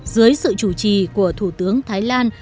dưới sự chủ trì của thủ tướng thái lan